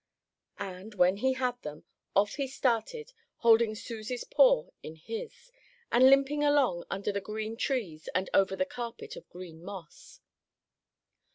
And, when he had them, off he started, holding Susie's paw in his, and limping along under the green trees and over the carpet of green moss.